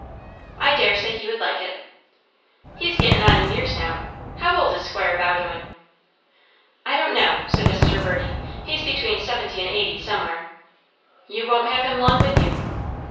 "I daresay he would like it." "He's gettin' on in years now. How old is Squire Bowdoin?" "I don't know," said Mrs. Reverdy. "He's between seventy and eighty, somewhere." "You won't have him long with you."